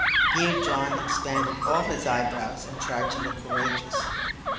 Here John expanded all his eye brows and tried to look courageous.